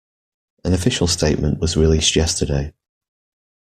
An official statement was released yesterday.